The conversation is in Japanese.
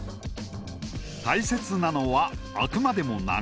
大切なのはあくまでも流れ。